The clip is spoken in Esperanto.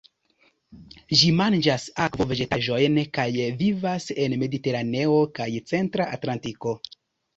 Ĝi manĝas akvo-vegetaĵojn kaj vivas en Mediteraneo kaj Centra Atlantiko.